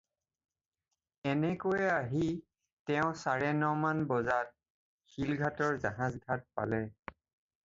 এনেকৈয়ে আহি তেওঁ চাৰে নমান বজাত শিলঘাটৰ জাহাজঘাট পালে।